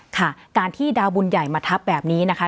ค่ะการที่ดาวบุญใหญ่มาทับแบบนี้นะคะ